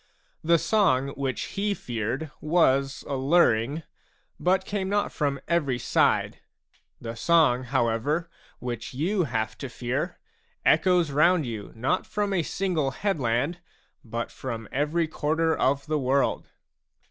The song which he feared was alluring, but came not from every side ; the song, however, which you have to fear, echoes round you not from a single headland, but from every quarter of the world.